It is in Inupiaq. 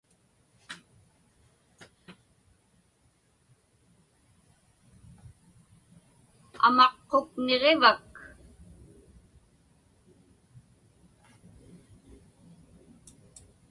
Amaqquk niġivak?